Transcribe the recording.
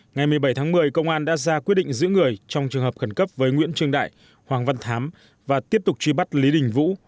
ngày một mươi bảy tháng một mươi công an đã ra quyết định giữ người trong trường hợp khẩn cấp với nguyễn trương đại hoàng văn thám và tiếp tục truy bắt lý đình vũ